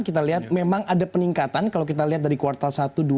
kita lihat memang ada peningkatan kalau kita lihat dari kuartal satu dua tiga